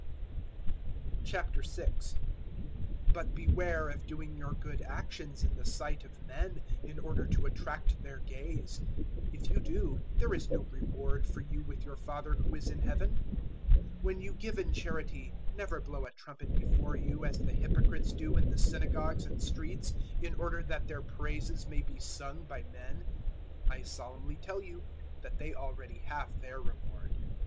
006:001 "But beware of doing your good actions in the sight of men, in order to attract their gaze; if you do, there is no reward for you with your Father who is in Heaven. 006:002 `When you give in charity, never blow a trumpet before you as the hypocrites do in the synagogues and streets in order that their praises may be sung by men. I solemnly tell you that they already have their reward.